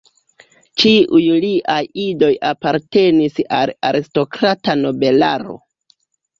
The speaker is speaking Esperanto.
Ĉiuj liaj idoj apartenis al aristokrata nobelaro.